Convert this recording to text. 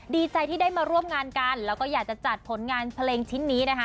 ดีใจที่ได้มาร่วมงานกันแล้วก็อยากจะจัดผลงานเพลงชิ้นนี้นะคะ